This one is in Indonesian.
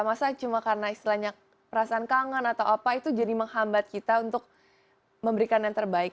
masa cuma karena istilahnya perasaan kangen atau apa itu jadi menghambat kita untuk memberikan yang terbaik